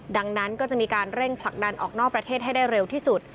ดังนั้นก็จะมีการเร่งผลักดันออกนอกประเทศให้ได้เร็วที่สุด